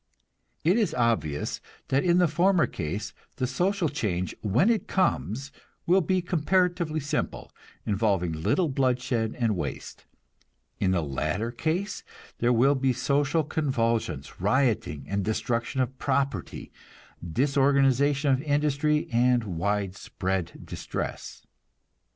It is obvious that in the former case the social change, when it comes, will be comparatively simple, involving little bloodshed and waste; in the latter case there will be social convulsions, rioting and destruction of property, disorganization of industry and widespread distress.